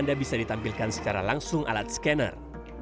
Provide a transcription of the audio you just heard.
anda bisa ditampilkan secara langsung alat scanner